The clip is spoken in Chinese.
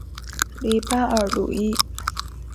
里巴尔鲁伊。